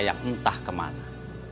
yang entah kemana